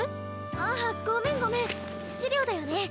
ああっごめんごめん資料だよね。